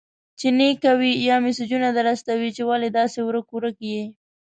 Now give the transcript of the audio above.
چي نې کوې، بيا مسېجونه در استوي چي ولي داسي ورک-ورک يې؟!